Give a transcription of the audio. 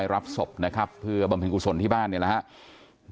รับศพนะครับเพื่อบำเพ็ญกุศลที่บ้านเนี่ยนะครับ